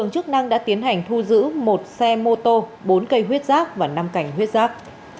hành thu giữ một xe mô tô bốn cây huyết giác và năm cành huyết giác